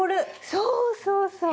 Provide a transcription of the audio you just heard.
そうそうそう。